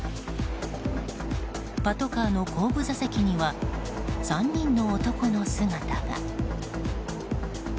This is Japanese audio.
パトカーの後部座席には３人の男の姿が。